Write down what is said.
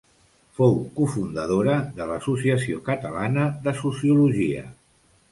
Fou cofundadora de l’Associació Catalana de Sociologia.